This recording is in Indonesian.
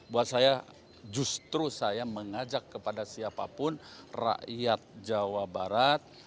buat saya justru saya mengajak kepada siapapun rakyat jawa barat